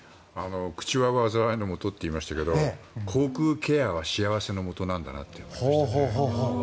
口は災いのもとといいますけど口腔ケアは幸せのもとなんだなと思いましたね。